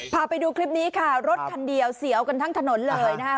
พาไปดูคลิปนี้ค่ะรถคันเดียวเสียวกันทั้งถนนเลยนะคะ